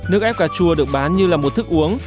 nước ép cà chua được bán như là một thức uống